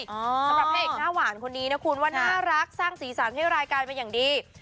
สำหรับพระเอกหน้าหวานคนนี้นะคุณว่าน่ารักสร้างสีสันให้รายการเป็นอย่างดี